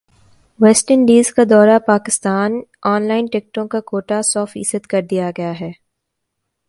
waste Indies کا دورہ Pakistan online ٹکٹوں کاکوٹہ سے فیصد کردیاگیا